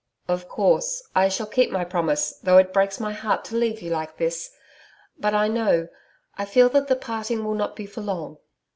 'Of course, I shall keep my promise, though it breaks my heart to leave you like this. But I know I feel that the parting will not be for long....